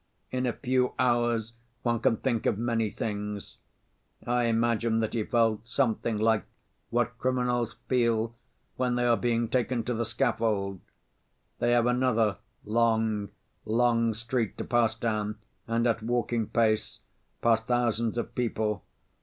In a few hours one can think of many things. I imagine that he felt something like what criminals feel when they are being taken to the scaffold. They have another long, long street to pass down and at walking pace, past thousands of people.